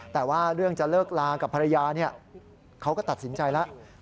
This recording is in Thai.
แต่ว่าเรื่องจะเลิกลากับภรรยาเขาก็ตัดสินใจแล้ว